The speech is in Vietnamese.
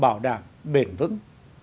bảo đảm bền vững